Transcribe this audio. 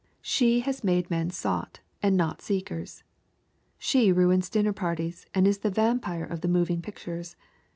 She has made men sought and not seekers. She ruins dinner parties and is the vampire of the moving pictures.